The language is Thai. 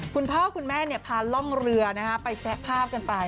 คุณพ่อคุณแม่พาล่องเรือไปแชะภาพกันไป